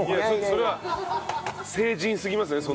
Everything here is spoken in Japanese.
それは聖人すぎますね。